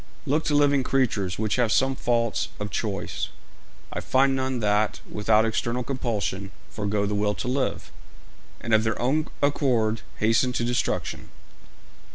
'Looking to living creatures, which have some faults of choice, I find none that, without external compulsion, forego the will to live, and of their own accord hasten to destruction.